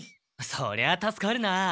そりゃ助かるな。